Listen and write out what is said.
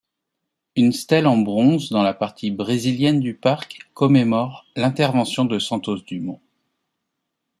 Une stèle en bronze dans la partie brésilienne du parc, commémore l'intervention de Santos-Dumont.